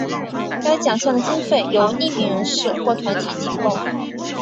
该奖项的经费由匿名人士或团体提供。